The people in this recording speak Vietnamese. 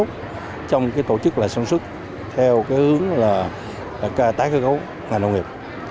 hợp tác xã nông nghiệp là vấn đề khác chốt trong tổ chức sản xuất theo hướng tác hợp tác xã nông nghiệp